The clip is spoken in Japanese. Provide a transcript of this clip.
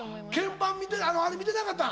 鍵盤見てあれ見てなかったん？